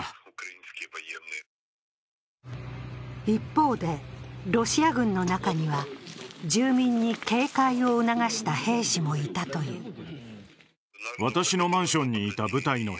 一方で、ロシア軍の中には住民に警戒を促した兵士もいたという。